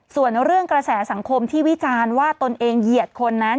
ส่วนเรื่องกระแสสังคมที่วิจารณ์ว่าตนเองเหยียดคนนั้น